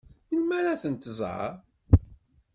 Melmi ad tent-tẓeṛ?